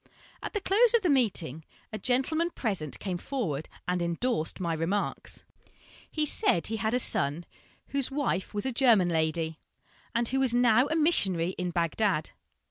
At the close of the meeting, a gentleman present came forward and endorsed my remarks. He said he had a son whose wife was a German lady, and who was now a missionary in Bagdad.